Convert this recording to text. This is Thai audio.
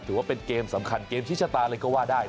ถือว่าเป็นเกมสำคัญเกมชิดชะตาเลยก็ว่าได้